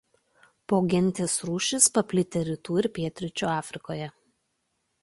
Pogentės rūšys paplitę rytų ir pietryčių Afrikoje.